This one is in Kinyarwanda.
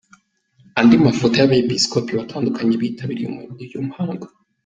Andi mafoto y’abepisikopi batandukanye bitabiriye uyu muhango.